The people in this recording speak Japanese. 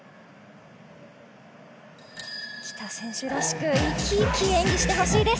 喜田選手らしく、いきいき演技してほしいです。